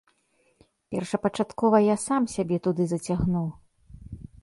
Першапачаткова я сам сябе туды зацягнуў.